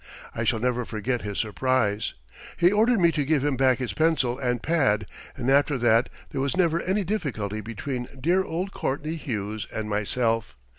I shall never forget his surprise. He ordered me to give him back his pencil and pad, and after that there was never any difficulty between dear old Courtney Hughes and myself.